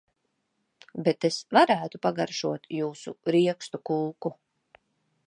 Bet es varētu pagaršotjūsu riekstu kūku.